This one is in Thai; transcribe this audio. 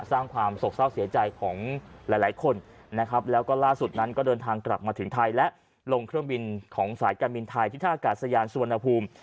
สร้างความโศกเศร้าเสียใจของหลายหลายคนนะครับแล้วก็ล่าสุดนั้นก็เดินทางกลับมาถึงไทยและลงเครื่องบินของสายการบินไทยที่ท่ากาศยานสุวรรณภูมิ